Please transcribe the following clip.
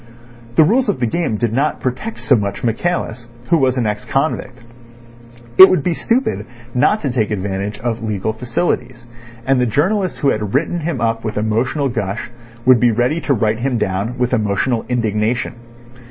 The rules of the game did not protect so much Michaelis, who was an ex convict. It would be stupid not to take advantage of legal facilities, and the journalists who had written him up with emotional gush would be ready to write him down with emotional indignation.